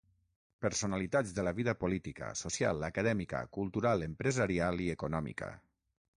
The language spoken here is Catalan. Personalitats de la vida política, social, acadèmica, cultural, empresarial i econòmica.